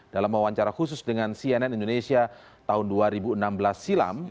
dalam wawancara khusus dengan cnn indonesia tahun dua ribu enam belas silam